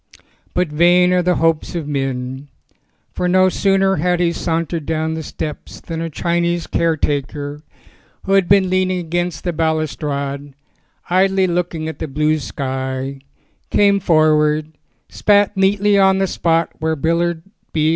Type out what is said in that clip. But vain are the hopes of men. For no sooner had he sauntered down the steps than a Chinese caretaker who had been leaning against the balustrade, idly looking at the blue sky, came forward, spat neatly on the spot where Willard B.